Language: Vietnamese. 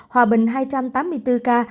hòa bình hai trăm tám mươi bốn ca